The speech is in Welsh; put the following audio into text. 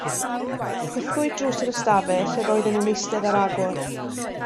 Chwythwyd drws yr ystafell lle roedden nhw'n eistedd ar agor.